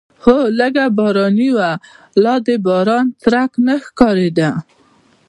هوا لږه باراني وه خو لا د باران څرک نه ښکارېده.